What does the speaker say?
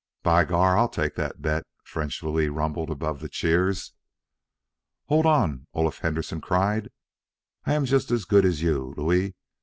"By Gar! Ah take dat!" French Louis rumbled above the cheers. "Hold on!" Olaf Henderson cried. "I ban yust as good as you, Louis.